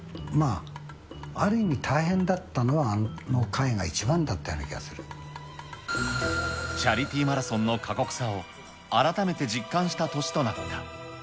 まあ、ある意味、大変だったのは、あの回が一番だったような気がすチャリティーマラソンの過酷さを、改めて実感した年となった。